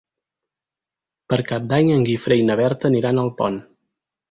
Per Cap d'Any en Guifré i na Berta aniran a Alpont.